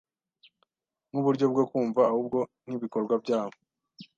nkuburyo bwo kumva ahubwo nkibikorwa byabo.